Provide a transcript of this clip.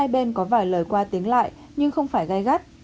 phải lời qua tiếng lại nhưng không phải gai gắt